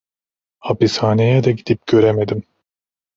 Hapishaneye de gidip göremedim.